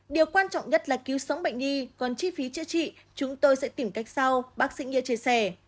điều quan trọng nhất là cứu sống bệnh nhi còn chi phí chữa trị chúng tôi sẽ tìm cách sau bác sĩ nghĩa chia sẻ